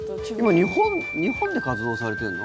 今日本で活動されてるの？